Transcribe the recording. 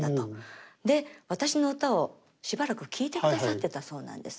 で私の歌をしばらく聴いてくださってたそうなんです。